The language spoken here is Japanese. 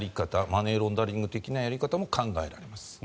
マネーロンダリング的なやり方も考えられます。